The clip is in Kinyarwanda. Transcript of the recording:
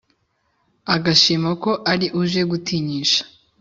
agashima ko ari uje gutinyisha